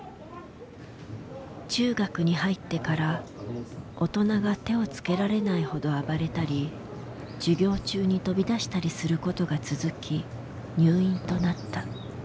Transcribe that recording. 中学に入ってから大人が手をつけられないほど暴れたり授業中に飛び出したりすることが続き入院となった。